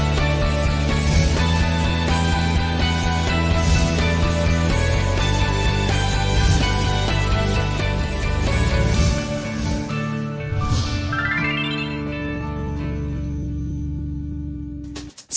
สาวคนถัดมาอารมณ์ดีไม่แพ้กันปีโป้ปริยานุษย์กับบทบาทพิธีกรที่บุกป่าฝ่าดงไปถึงภาคเมือง